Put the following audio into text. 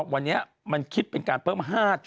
วันนี้มันคิดเป็นการเพิ่ม๕๐